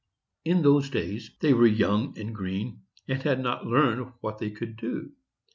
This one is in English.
In those days, they were young and green, and had not learned what they could do.